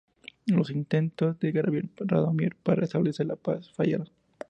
Los intentos de Gabriel Radomir para establecer la paz fallaron.